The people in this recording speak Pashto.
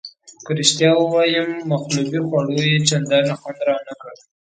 که رښتیا ووایم مقلوبې خوړو یې چندانې خوند رانه کړ.